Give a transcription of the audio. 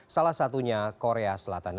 salah satunya korea selatan